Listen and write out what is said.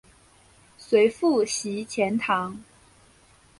随父徙钱塘。